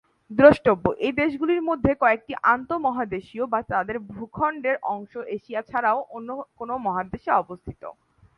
দ্রষ্টব্য: এই দেশগুলির মধ্যে কয়েকটি আন্তঃমহাদেশীয় বা তাদের ভূখণ্ডের অংশ এশিয়া ছাড়াও অন্য কোনো মহাদেশে অবস্থিত।